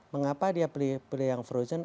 mengapa dia beli yang frozen